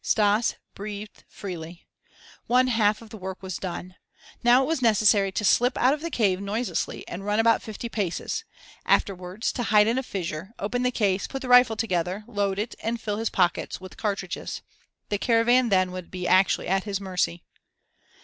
Stas breathed freely. One half of the work was done. Now it was necessary to slip out of the cave noiselessly and run about fifty paces; afterwards to hide in a fissure, open the case, put the rifle together, load it, and fill his pockets with cartridges. The caravan then would be actually at his mercy.